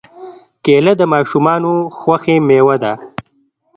کېله د ماشومانو خوښې مېوه ده.